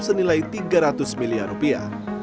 senilai tiga ratus miliar rupiah